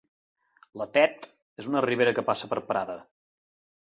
La Tet és una ribera que passa per Prada.